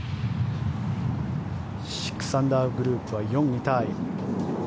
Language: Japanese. ６アンダーグループは４位タイ。